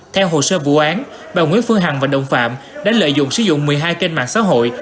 theo hồ sơ vụ án bà nguyễn phương hằng và đồng phạm đã lợi dụng sử dụng một mươi hai kênh mạng xã hội